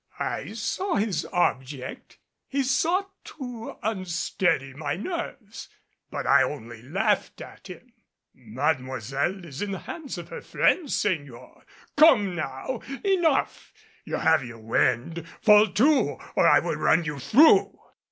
I saw his object. He sought to unsteady my nerves. But I only laughed at him. "Mademoiselle is in the hands of her friends, Señor. Come now! Enough! You have your wind. Fall to, or I will run you through!"